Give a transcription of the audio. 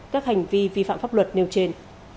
các hành vi vi phạm pháp luật nêu trên